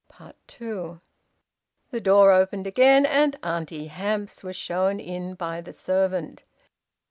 Two. The door opened again, and Auntie Hamps was shown in by the servant.